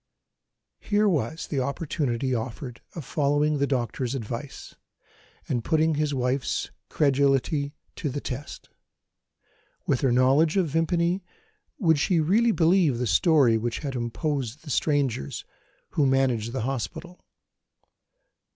Here was the opportunity offered of following the doctor's advice, and putting his wife's credulity to the test. With her knowledge of Vimpany, would she really believe the story which had imposed on the strangers who managed the hospital?